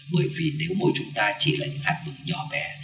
bởi vì nếu mỗi chúng ta chỉ là những hạt mực nhỏ bé